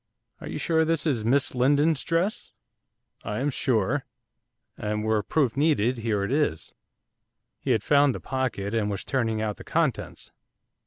'Are you sure this is Miss Lindon's dress?' 'I am sure, and were proof needed, here it is.' He had found the pocket, and was turning out the contents.